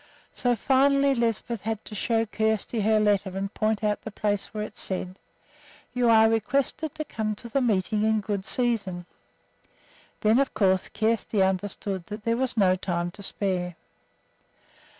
So, finally, Lisbeth had to show Kjersti her letter and point out the place where it said, "You are requested to come to the meeting in good season." Then, of course, Kjersti understood that there was no time to spare.